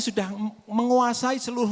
sudah menguasai seluruh